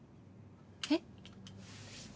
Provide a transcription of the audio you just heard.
えっ？